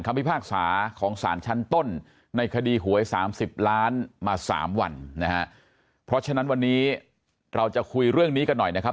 พิพากษาของสารชั้นต้นในคดีหวยสามสิบล้านมาสามวันนะฮะเพราะฉะนั้นวันนี้เราจะคุยเรื่องนี้กันหน่อยนะครับ